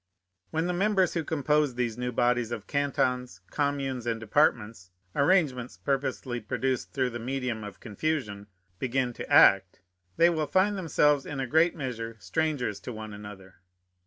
When the members who compose these new bodies of cantons, communes, and departments, arrangements purposely produced through the medium of confusion, begin to act, they will find themselves in a great measure strangers to one another.